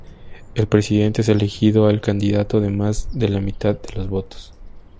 El presidente es elegido el candidato de más de la mitad de los votos.